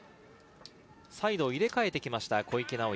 サイドを入れ替えて来ました、小池直矢。